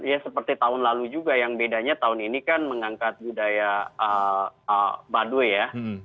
ya seperti tahun lalu juga yang bedanya tahun ini kan mengangkat budaya baduy ya